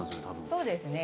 そうですね。